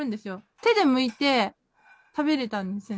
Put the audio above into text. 手でむいて、食べれたんですね。